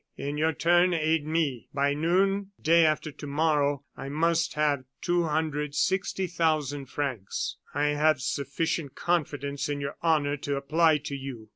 In your turn, aid me! By noon, day after to morrow, I must have two hundred and sixty thousand francs. "I have sufficient confidence in your honor to apply to you.